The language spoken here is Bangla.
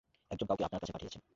একজন কাউকে আপনার কাছে পাঠিয়েছেন।